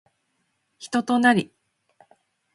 人となり